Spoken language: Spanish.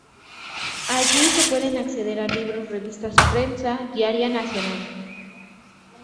Allí se puede acceder a libros, revistas, prensa diaria nacional.